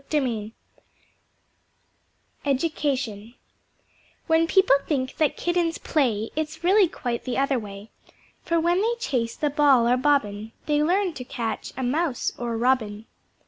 Education When People think that Kittens play, It's really quite the other way. For when they chase the Ball or Bobbin They learn to catch a Mouse or Robin.